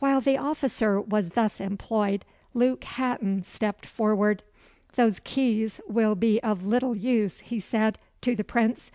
While the officer was thus employed, Luke Hatton stepped forward. "Those keys will be of little use," he said, to the Prince.